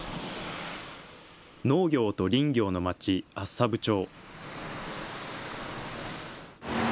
農業と林業の町、厚沢部町。